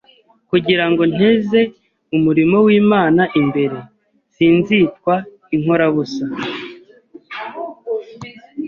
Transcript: kugira ngo nteze umurimo w’Imana imbere. Sinzitwa inkorabusa.”